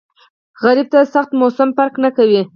سوالګر ته سخت موسم فرق نه کوي